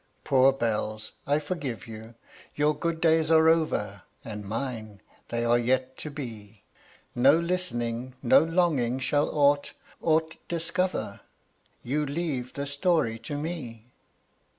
Poor bells! I forgive you; your good days are over, And mine, they are yet to be; No listening, no longing shall aught, aught discover: You leave the story to me.